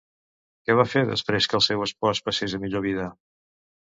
Què va fer després que el seu espòs passés a millor vida?